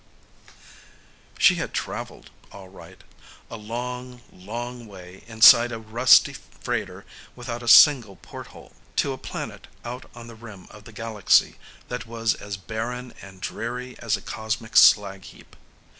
She had traveled, all right, a long, long way inside a rusty freighter without a single porthole, to a planet out on the rim of the Galaxy that was as barren and dreary as a cosmic slag heap.